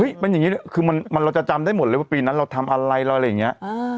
มันอย่างนี้คือเราจะจำได้หมดเลยว่าปีนั้นเราทำอะไรเราอะไรอย่างนี้